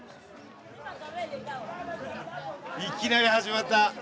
いきなり始まった。